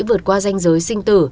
vượt qua danh giới sinh tử